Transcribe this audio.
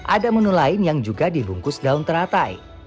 ada menu lain yang juga dibungkus daun teratai